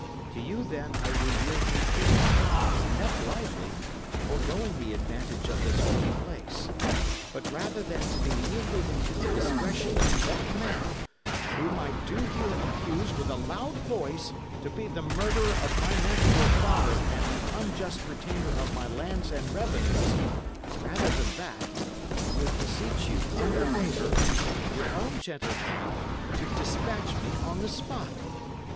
To you, then, I will yield me prisoner, and that blithely, foregoing the advantage of this holy place. But rather than to be yielded into the discretion of that man whom I do here accuse with a loud voice to be the murderer of my natural father and the unjust retainer of my lands and revenues rather than that, I would beseech you, under favour, with your own gentle hand, to despatch me on the spot.